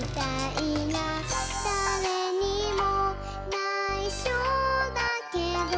「だれにもないしょだけど」